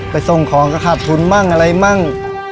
ไปส่งของก็ขาดทุนมั่งอะไรมั่ง